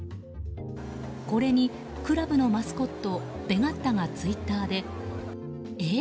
これにクラブのマスコットベガッ太がツイッターでえ？